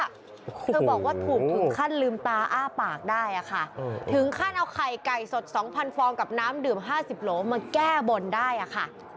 เธอบอกว่าถูกถึงขั้นลืมตาอ้าปากได้อะค่ะถึงขั้นเอาไข่ไก่สด๒๐๐ฟองกับน้ำดื่ม๕๐โหลมาแก้บนได้อะค่ะ